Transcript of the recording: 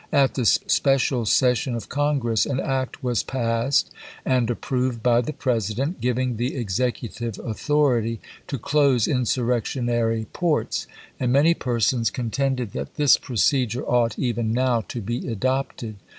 At the special session of Congress an act was passed, and approved by the President, giving the isei!^' Executive authority to close insurrectionary ports ; and many persons contended that this procedure ought, even now, to be adopted.